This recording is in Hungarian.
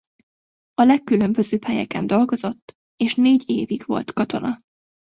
A legkülönbözőbb helyeken dolgozott és négy évig volt katona.